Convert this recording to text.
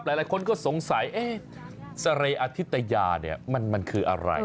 หลายคนก็สงสัยเอ๊ะทสลายอาธิตยามันคืออะไร